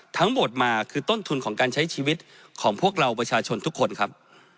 ทั้งหมดมาคือต้นทุนของการใช้ชีวิตของพวกเราประชาชนทุกคนครับ